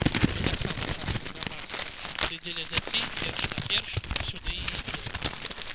Мы таксама частка грамадства, ды дзеля дзяцей перш-наперш мы сюды і ідзём.